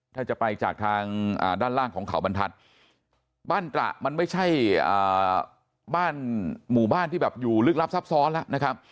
ถ้าจะไปจากทางด้านล่างของเขาบรรทัศน์บ้านตระมันไม่ใช่บ้านหมู่บ้านที่แบบอยู่ลึกลับซับซ้อนแล้วนะครับ